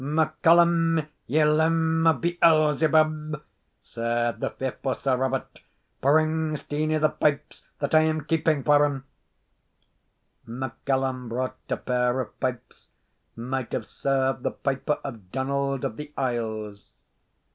"MacCallum, ye limb of Beelzebub," said the fearfu' Sir Robert, "bring Steenie the pipes that I am keeping for him!" MacCallum brought a pair of pipes might have served the piper of Donald of the Isles.